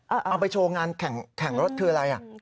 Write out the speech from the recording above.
เอาไปโชว์งานแข่งรถคืออะไร